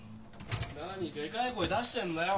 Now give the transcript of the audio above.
何でかい声出してんだよ。